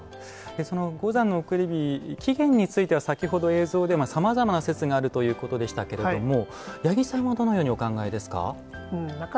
五山の送り火起源については先ほど映像でもさまざまな説があるということでしたが八木さんはどのようにお考えですか？